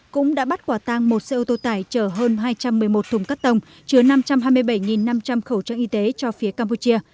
cũng đã bắt quả tăng một xe ô tô tải chở hơn hai trăm một mươi một thùng cắt tông chứa năm trăm hai mươi bảy năm trăm linh khẩu trang y tế cho phía campuchia